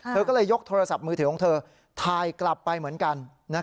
เธอก็เลยยกโทรศัพท์มือถือของเธอถ่ายกลับไปเหมือนกัน